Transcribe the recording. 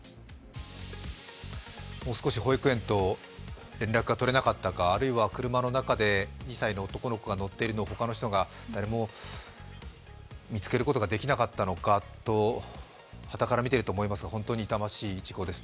もう少し保育園と連絡が取れなかったかあるいは車の中で２歳の男の子が乗っているか、他の人が誰も見つけることができなかったのかと、端から見ていると思いますが本当に痛ましい事故です。